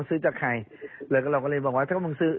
ซื้อจากใครแล้วก็เราก็เลยบอกว่าถ้ามึงซื้อ